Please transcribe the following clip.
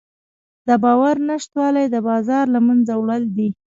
د باور نشتوالی د بازار له منځه وړل دي.